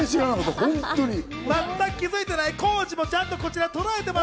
全く気づいてない浩次もちゃんととらえてます。